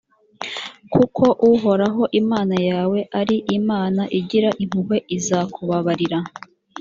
kuko uhoraho imana yawe ari imana igira impuhwe izakubabarira